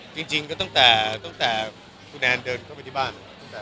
ก็จริงตั้งแต่พ่อแนนเดินไปที่บ้าน